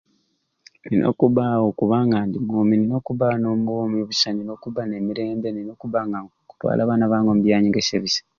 Nina okubbaawo kubanga ndi mwomi nina okubba n'obwomi obusai nina n'emirembe nina okubba nga nkutwala abaana bange omu byanyegesya ebisai.